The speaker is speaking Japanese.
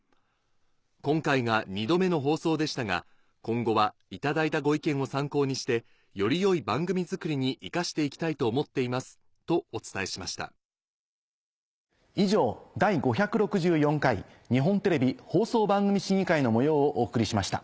「今回が２度目の放送でしたが今後は頂いたご意見を参考にしてより良い番組作りに生かしていきたいと思います」とお伝えしました以上第５６４回日本テレビ放送番組審議会の模様をお送りしました。